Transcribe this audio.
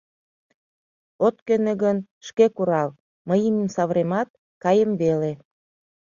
От кӧнӧ гын, шке курал, мый имньым савыремат, каем веле.